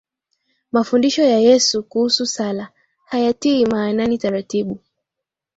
Mafundisho ya Yesu kuhusu sala hayatii maanani taratibu